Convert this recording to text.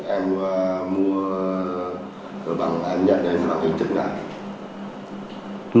em mua bằng anh nhận hay bằng anh chứng lại